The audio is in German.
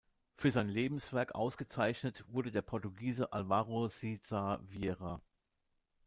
Für sein Lebenswerk ausgezeichnet wurde der Portugiese Alvaro Siza Vieira.